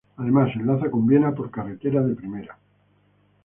Además, enlaza con Viena por carretera de primera.